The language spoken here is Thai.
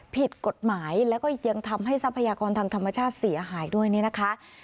ผิดกฎหมายแล้วก็ยังทำให้ทรัพยากรทางธรรมชาติเสียหายด้วยนี่นะคะ